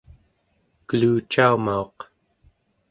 kelucaumauq